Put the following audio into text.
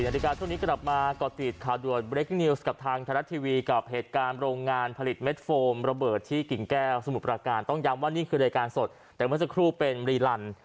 นาฬิกาช่วงนี้กลับมาก่อติดข่าวด่วนเรคนิวส์กับทางไทยรัฐทีวีกับเหตุการณ์โรงงานผลิตเม็ดโฟมระเบิดที่กิ่งแก้วสมุทรประการต้องย้ำว่านี่คือรายการสดแต่เมื่อสักครู่เป็นรีลัน